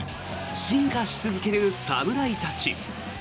進化し続ける侍たち。